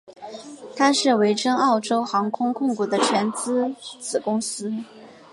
它是维珍澳洲航空控股的全资子公司。